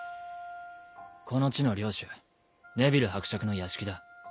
この地の領主ネヴィル伯爵の屋敷だ。